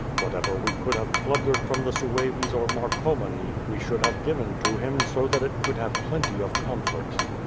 Whatever we could have plundered from the Sueves or Marcomani we should have given to Him so that it could have plenty of comfort.